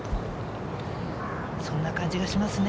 そんな感じがしますね。